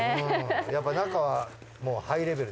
やっぱ中はもうハイレベル。